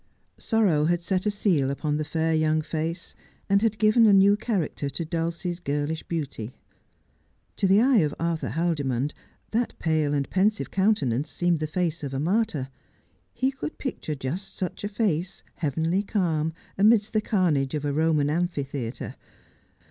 Sorrow had set a seal upon the fair young face, and had given a new character to Dulcie's girlish beauty. To the eye of Arthur Haldimond that pale and pensive counte nance seemed the face of a martyr. He could picture just such a face, heavenly calm, amidst the carnage of a Roman amphi theatre.